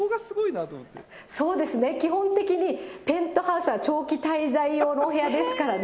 そうですね、基本的にペントハウスは長期滞在用のお部屋ですからね。